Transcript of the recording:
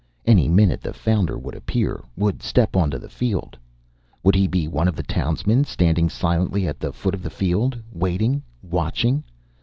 Any minute the Founder would appear, would step onto the field. Would he be one of the townsmen, standing silently at the foot of the field, waiting, watching?